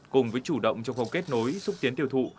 cùng với chủ động trong phòng kết nối xuất tiến tiêu thụ